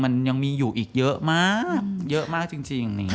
มันยังมีอยู่อีกเยอะมากเยอะมากจริง